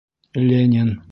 — Ленин!